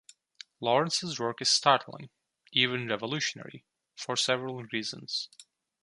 Lawrence's work is startling, even revolutionary, for several reasons.